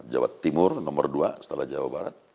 jawa timur nomor dua setelah jawa barat